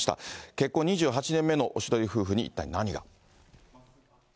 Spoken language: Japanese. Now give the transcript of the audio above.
結婚２８年目のおしどり夫婦に一体何が。